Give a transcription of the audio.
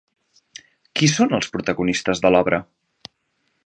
Qui són els protagonistes de l'obra?